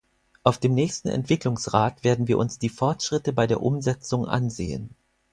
Auf dem nächsten Entwicklungsrat werden wir uns die Fortschritte bei der Umsetzung ansehen.